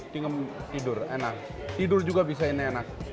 tinggal tidur enak tidur juga bisa ini enak